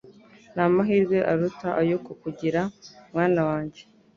ntamahirwe aruta ayo kukugira mwana wanjye